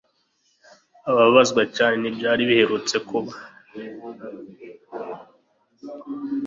ababazwa cyane n'ibyari biherutse kuba